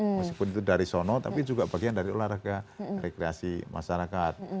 meskipun itu dari sono tapi juga bagian dari olahraga rekreasi masyarakat